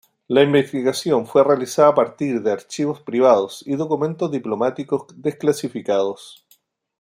La investigación fue realizada a partir de archivos privados y documentos diplomáticos desclasificados.